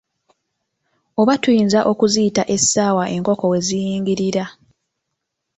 Oba tuyinza okuziyita essaawa enkoko we ziyingirira.